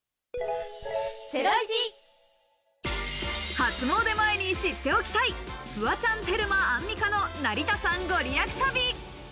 初詣前に知っておきたい、フワちゃん、テルマ、アンミカの成田山ご利益旅。